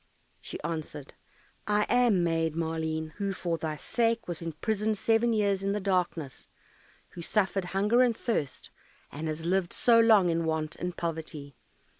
She answered, "I am Maid Maleen, who for thy sake was imprisoned seven years in the darkness, who suffered hunger and thirst, and has lived so long in want and poverty.